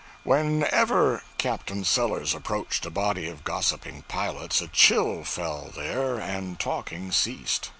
Whenever Captain Sellers approached a body of gossiping pilots, a chill fell there, and talking ceased.